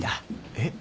えっ？